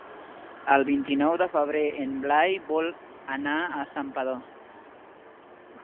El vint-i-nou de febrer en Blai vol anar a Santpedor.